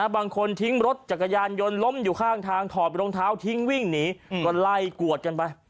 บางทีรถจักรยานยนต์ล้มอยู่ข้างทางถอดรองเท้าทิ้งวิ่งหนีก็ไล่กวดกันไป